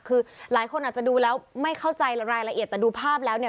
คือหลายคนอาจจะดูแล้วไม่เข้าใจรายละเอียดแต่ดูภาพแล้วเนี่ย